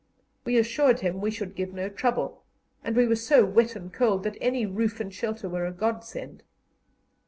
We assured him we should give no trouble, and we were so wet and cold that any roof and shelter were a godsend.